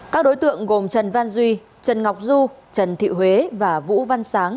các đối tượng gồm trần văn duy trần ngọc du trần thị huế và vũ văn sáng